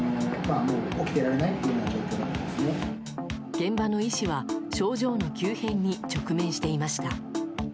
現場の医師は症状の急変に直面していました。